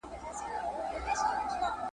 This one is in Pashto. تن د بل پر ولات اوسي روح مي ګران افغانستان دی `